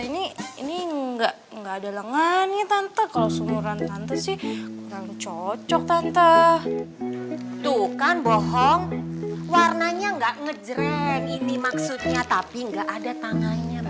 hai ini ini enggak enggak ada lengannya tante kalau sumuran tante sih kurang cocok tante tuh kan bohong warnanya nggak ngejreng ini maksudnya tapi nggak ada tangannya mbak